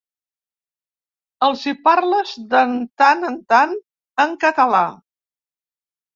Els hi parles d'en tant en tant en català.